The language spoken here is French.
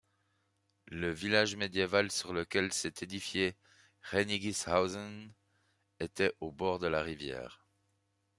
Le village médiéval sur lequel s'est édifié Rennigishausen était au bord de la rivière.